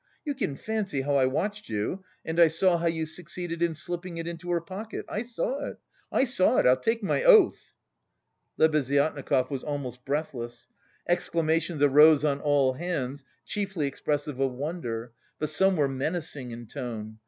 You can fancy how I watched you and I saw how you succeeded in slipping it into her pocket. I saw it, I saw it, I'll take my oath." Lebeziatnikov was almost breathless. Exclamations arose on all hands chiefly expressive of wonder, but some were menacing in tone.